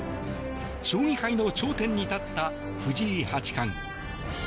将棋界の頂点に立った藤井八冠。